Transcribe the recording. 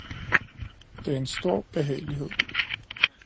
Det er en stor behagelighed